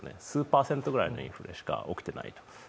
数パーセントぐらいのインフレしか起きていない。